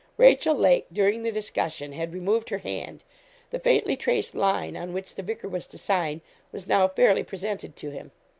Rachel Lake, during the discussion, had removed her hand. The faintly traced line on which the vicar was to sign was now fairly presented to him.